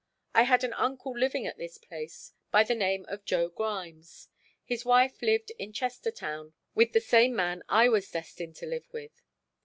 I had an uncle living at this place by the name of Joe Grimes. His wife lived in Chestertown with the same man I was destined to live with.